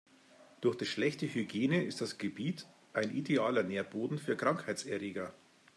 Durch die schlechte Hygiene ist das Gebiet ein idealer Nährboden für Krankheitserreger.